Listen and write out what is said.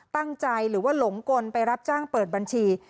ตั้งใจหรือว่าหลงกลไปรับจ้างเปิดบัญชี